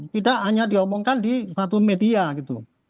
tidak hanya diomongkan di satu media gitu